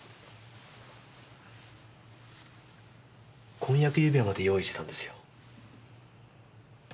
婚約指輪まで用意してたんですよ。